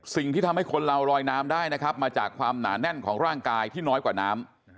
สิ่งที่ทำให้คนเราลอยน้ำได้นะครับมาจากความหนาแน่นของร่างกายที่น้อยกว่าน้ำ